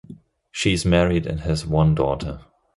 She is married and has one daughter.